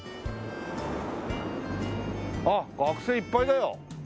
あっ学生いっぱいだよ。